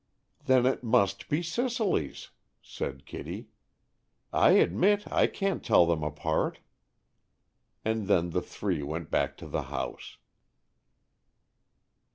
"Then it must be Cicely's," said Kitty. "I admit I can't tell them apart." And then the three went back to the house.